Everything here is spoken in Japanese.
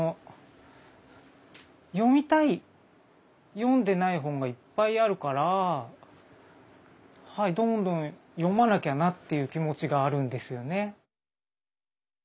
読んでない本がいっぱいあるからどんどん読まなきゃなっていう気持ちがあるんですよね。